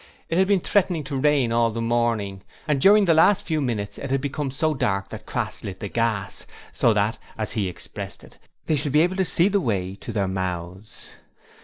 It had been threatening to rain all the morning, and during the last few minutes it had become so dark that Crass lit the gas, so that as he expressed it they should be able to see the way to their mouths.